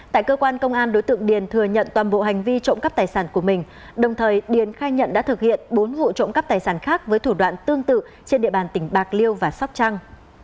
tại cơ quan công an đối tượng điền thừa nhận toàn bộ hành vi trộm cắp tài sản của mình đồng thời điền khai nhận đã thực hiện bốn vụ trộm cắp tài sản khác với thủ đoạn tương tự trên địa bàn tỉnh bạc liêu và sóc trăng